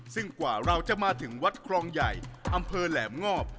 ซึ่งกว่าเราจะมาถึงวัดครองใหญ่อำเภอแหลมงอบ